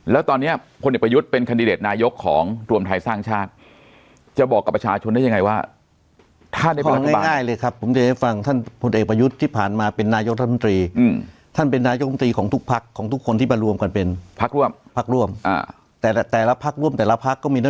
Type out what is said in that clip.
แล้วตอนเนี้ยผลเอกประยุทธป